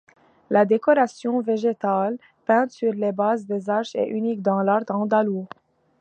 La décoration végétale peinte sur les bases des arches est unique dans l'art andalou.